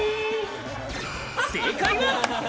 正解は。